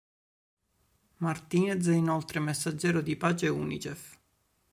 Martinez è inoltre messaggero di pace Unicef.